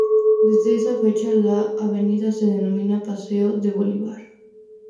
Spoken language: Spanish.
Desde esa fecha la avenida se denomina paseo de Bolívar.